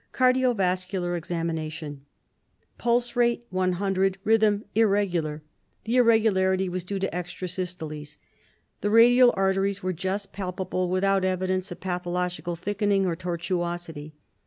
Cardio vascular Examination: Pulse: Rate 100, rhythm irregular. The irregularity was due to extra systoles. The radial arteries were just palpable, without evidence of pathological thickening or tortuosity.